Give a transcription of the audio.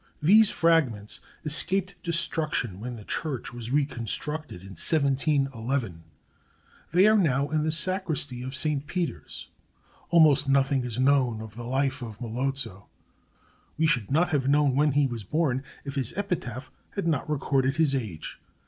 These fragments escaped destruction when the church was reconstructed in 1711. They are now in the Sacristy of Saint Peter's. Almost nothing is known of the life of Melozzo. We should not have known when he was born if his epitaph had not recorded his age.